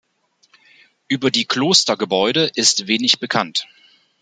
Über die Klostergebäude ist wenig bekannt.